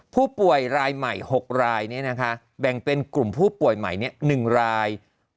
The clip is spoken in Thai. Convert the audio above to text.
ผู้ป่วยรายใหม่๖รายแบ่งเป็นกลุ่มผู้ป่วยใหม่๑ราย